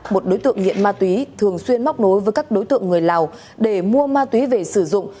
một đối tượng nghiện ma túy thường xuyên móc nối với các đối tượng người lào để mua ma túy về sử dụng